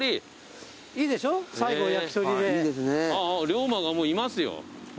龍馬がもういますよ。